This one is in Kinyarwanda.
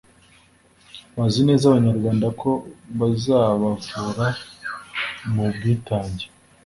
banizeza Abanyarwanda ko bazabavura mu bwitange